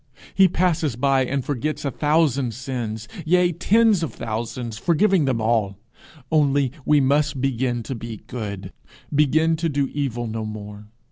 He passes by and forgets a thousand sins, yea, tens of thousands, forgiving them all only we must begin to be good, begin to do evil no more.